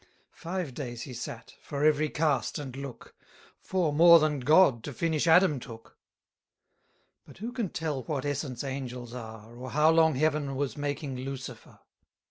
Five days he sate, for every cast and look Four more than God to finish Adam took. But who can tell what essence angels are, 20 Or how long Heaven was making Lucifer?